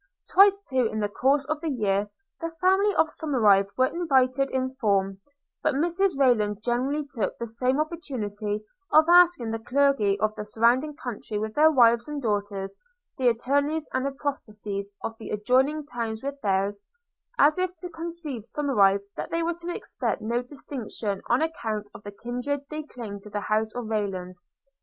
– Twice too in the course of the year the family of Somerive were invited in form; but Mrs Rayland generally took the same opportunity of asking the clergy of the surrounding country with their wives and daughters, the attorneys and apothecaries of the adjoining towns with theirs, as if to convince the Somerives that they were to expect no distinction on account of the kindred they claimed to the house of Rayland.